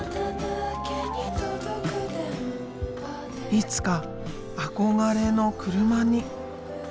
いつか憧れの車に。